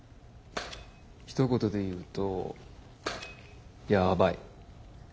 ひと言で言うとヤバい。